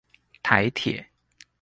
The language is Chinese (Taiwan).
臺鐵